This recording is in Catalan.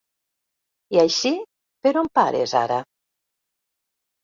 I així, per on pares, ara?